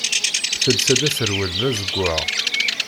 Telsa-d aserwal d azeggaɣ.